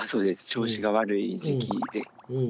調子が悪い時期で。